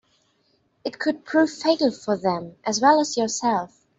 It could prove fatal for them as well as yourself.